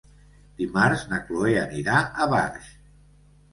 Dimarts na Chloé anirà a Barx.